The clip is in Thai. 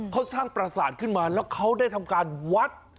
เขาสร้างประสาทขึ้นมาแล้วเขาได้ทำการวัด